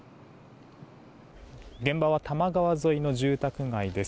現場は多摩川沿いの住宅街です。